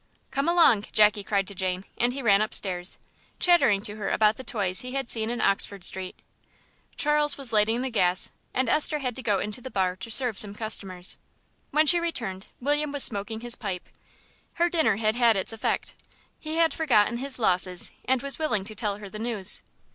"Come along," Jackie cried to Jane, and he ran upstairs, chattering to her about the toys he had seen in Oxford Street. Charles was lighting the gas, and Esther had to go into the bar to serve some customers. When she returned, William was smoking his pipe. Her dinner had had its effect, he had forgotten his losses, and was willing to tell her the news.